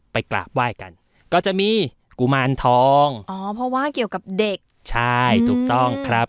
กราบไหว้กันก็จะมีกุมารทองอ๋อเพราะว่าเกี่ยวกับเด็กใช่ถูกต้องครับ